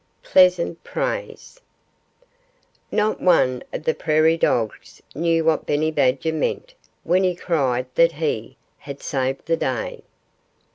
XIX PLEASANT PRAISE Not one of the prairie dogs knew what Benny Badger meant when he cried that he "had saved the day."